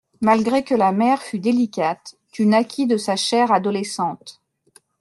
Malgré que la mère fut délicate, tu naquis de sa chair adolescente.